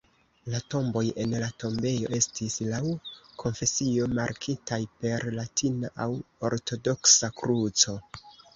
La tomboj en la tombejo estis laŭ konfesio markitaj per latina aŭ ortodoksa kruco.